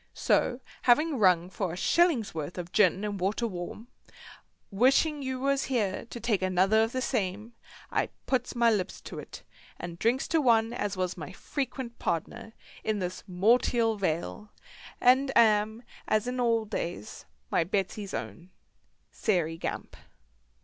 So having rung for a shilling's worth of gin and water warm, and wishing you was here to take another of the same, I puts my lips to it, and drinks to one as was my frequent pardner in this mortial vale, and am, as in old days, my Betsy's own SAIREY GAMP.